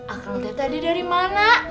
akang teh tadi dari mana